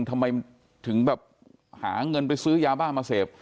ทำไมถึงแบบหาเงินไปซื้อยาบ้ามาเสพ